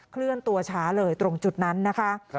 เคลื่อนตัวช้าเลยตรงจุดนั้นนะคะ